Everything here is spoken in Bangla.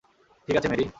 ঠিক আছে, মেরি।